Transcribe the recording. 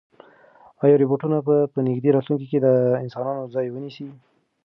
ایا روبوټونه به په نږدې راتلونکي کې د انسانانو ځای ونیسي؟